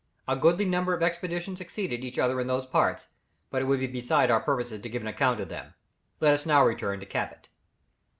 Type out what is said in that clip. A goodly number of expeditions succeeded each other in those parts, but it would be beside our purpose to give an account of them. Let us now return to Cabot.